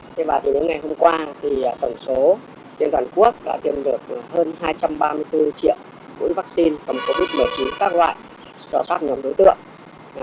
thế bà thì những ngày hôm qua thì tổng số trên toàn quốc đã tiêm được hơn hai trăm ba mươi bốn triệu vũ vaccine phòng covid một mươi chín các loại cho các nhóm đối tượng